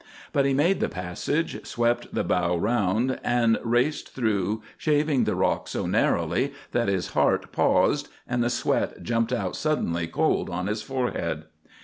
But he made the passage, swept the bow around, and raced through, shaving the rock so narrowly that his heart paused and the sweat jumped out suddenly cold on his forehead.